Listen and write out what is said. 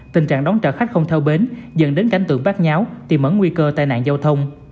tình trạng đón trả khách không theo bến dần đến cảnh tượng bát nháo tìm ẩn nguy cơ tai nạn giao thông